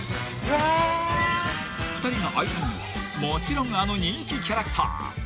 ［２人が会いたいのはもちろんあの人気キャラクター］